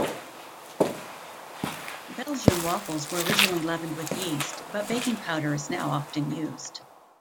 Belgian waffles were originally leavened with yeast, but baking powder is now often used.